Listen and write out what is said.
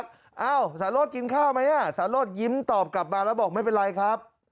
ห้องนอนยังทักเอ้าสารโลศกินข้าวไหมสารโลศยิ้มตอบกลับมาแล้วบอกไม่เป็นไรครับ